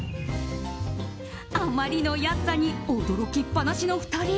あまりの安さに驚きっぱなしの２人。